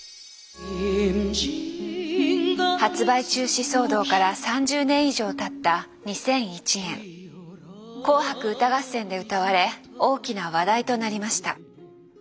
発売中止騒動から３０年以上たった２００１年紅白歌合戦で歌われ大きな話題となりました。